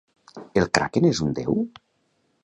El Kraken és un déu?